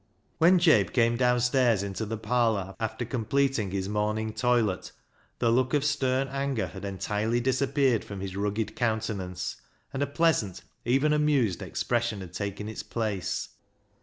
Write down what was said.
When Jabe came downstairs into the parlour, after completing his morning toilet, the look of stern anger had entirely disappeared from his rugged countenance, and a pleasant, even amused, expression had taken its place.